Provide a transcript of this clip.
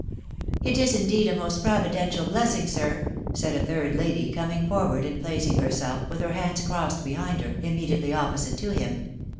" It is indeed a most providential blessing, sir," said a third lady, coming forward and placing herself, with her hands crossed before her, immediately opposite to him.